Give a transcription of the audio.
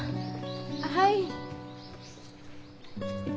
はい。